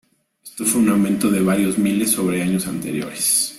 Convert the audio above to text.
Esto fue un aumento de varios miles sobre años anteriores.